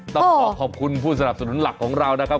ต้องขอขอบคุณผู้สนับสนุนหลักของเรานะครับ